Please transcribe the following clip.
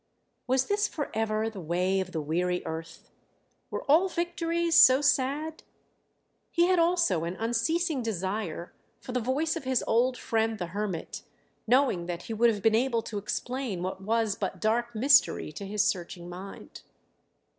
Was this for ever the way of the weary earth? Were all victories so sad? He had also an unceasing desire for the voice of his old friend the hermit, knowing that he would have been able to explain what was but dark mystery to his searching mind.